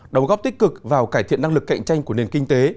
đóng góp tích cực vào cải thiện năng lực cạnh tranh của nền kinh tế